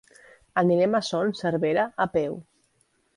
Anirem a Son Servera a peu.